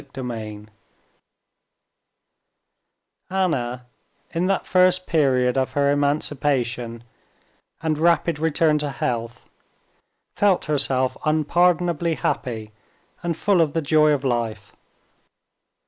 Chapter 8 Anna, in that first period of her emancipation and rapid return to health, felt herself unpardonably happy and full of the joy of life.